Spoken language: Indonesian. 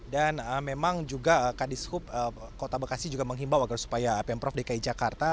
dan memang juga kadis hub kota bekasi juga menghimbau agar supaya pemprov dki jakarta